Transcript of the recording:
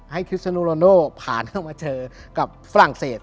คริสโนโลโนผ่านเข้ามาเจอกับฝรั่งเศส